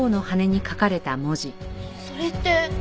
それって。